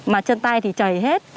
mà chân tay thì chảy hết